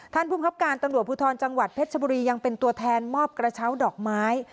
ภูมิครับการตำรวจภูทรจังหวัดเพชรชบุรียังเป็นตัวแทนมอบกระเช้าดอกไม้